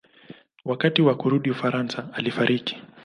Wakati wa kurudi Ufaransa alifariki.